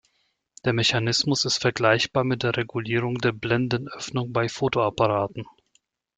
Der Mechanismus ist vergleichbar mit der Regulierung der Blendenöffnung bei Fotoapparaten.